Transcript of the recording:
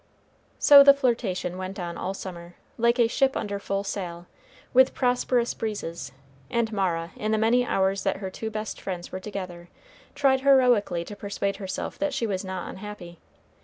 So the flirtation went on all summer, like a ship under full sail, with prosperous breezes; and Mara, in the many hours that her two best friends were together, tried heroically to persuade herself that she was not unhappy.